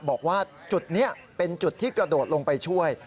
บอกว่าจุดนี้เป็นจุดที่กระโดดลงไปช่วย